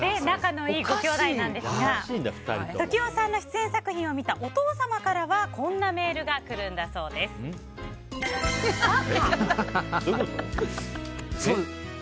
仲のいいご兄弟ですが時生さんの出演作品を見たお父様からはこんなメールが来るんだそうです。